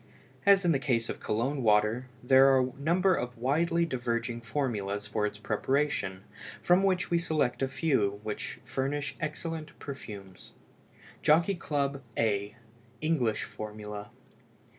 As in the case of Cologne water, there are a number of widely diverging formulas for its preparation, from which we select a few which furnish excellent perfumes. JOCKEY CLUB, A (ENGLISH FORMULA).